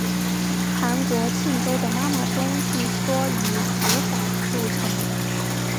韩国庆州的妈妈钟据说以此法铸成。